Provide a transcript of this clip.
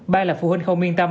ba là phụ huynh không yên tâm